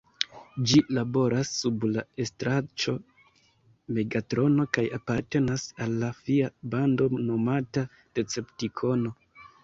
Ĝi laboras sub la estraĉo Megatrono kaj apartenas al la fia bando nomata Deceptikonoj.